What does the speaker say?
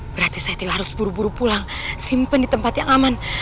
berarti saya tidak harus buru buru pulang simpen di tempat yang aman